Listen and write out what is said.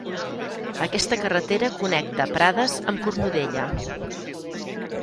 Aquesta carretera connecta Prades amb Cornudella.